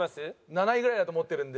７位ぐらいだと思ってるんで。